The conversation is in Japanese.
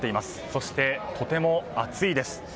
そして、とても暑いです。